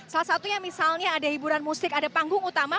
salah satunya misalnya ada hiburan musik ada panggung utama